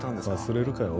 忘れるかよ